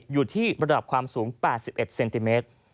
อยู่ที่ระดับความสูง๘๑เซนติเมตร